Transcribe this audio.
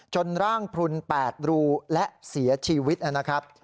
จนร่างพลุน๘รูและเสียชีวิตนะครับ